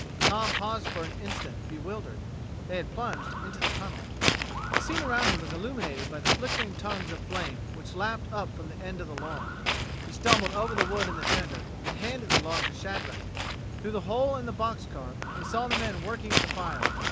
Tom paused for an instant bewildered. They had plunged into the tunnel. The scene around him was illuminated by the flickering tongues of flame which lapped up the end of the log. He stumbled over the wood in the tender, and handed the log to Shadrack. Through the hole in the box car he saw the men working at the fire.